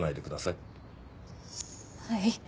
はい。